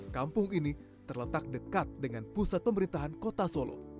kampung ini terletak dekat dengan pusat pemerintahan kota solo